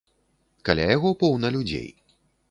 Каля яго поўна людзей.